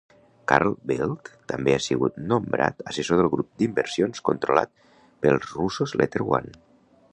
Carl Bildt també ha sigut nombrat assessor del grup d'inversions controlat pels russos LetterOne.